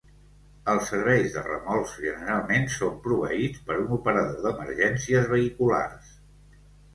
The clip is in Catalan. Els serveis de remolcs generalment són proveïts per un operador d'emergències vehiculars.